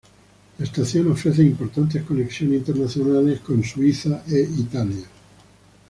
La estación ofrece importantes conexiones internacionales con Suiza e Italia.